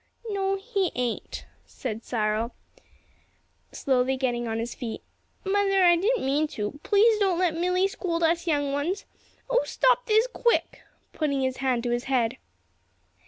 "No, he ain't," said Cyril, slowly getting on his feet. "Mother, I didn't mean to. Please don't let Milly scold us young ones. Oh, stop this quick!" putting his hand to his head.